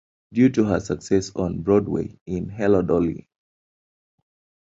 Due to her success on Broadway in Hello Dolly!